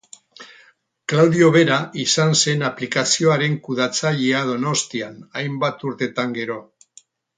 Klaudio bera izan zen aplikazioaren kudeatzailea Donostian hainbat urtetan gero.